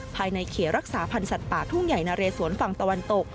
ภายในเขตรักษาพันธ์สัตว์ป่าทุ่งใหญ่นะเรสวนฝั่งตะวันตก